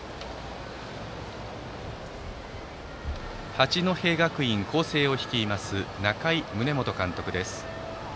八戸学院光星を率います仲井宗基監督です。